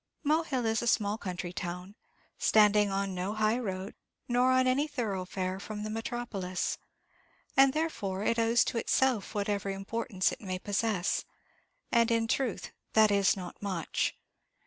Mohill is a small country town, standing on no high road, nor on any thoroughfare from the metropolis; and therefore it owes to itself whatever importance it may possess and, in truth, that is not much.